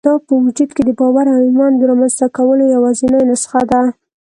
دا په وجود کې د باور او ايمان د رامنځته کولو يوازېنۍ نسخه ده.